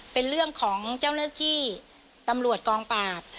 เป็นเรื่องของเจ้าหน้าที่ตำรวจกองปราบ